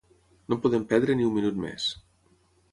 No podem perdre ni un minut més.